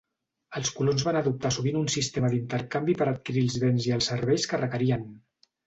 Els colons van adoptar sovint un sistema d'intercanvi per adquirir els béns i els serveis que requerien.